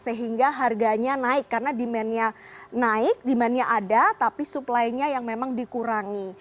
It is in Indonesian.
sehingga harganya naik karena demandnya naik demandnya ada tapi supplynya yang memang dikurangkan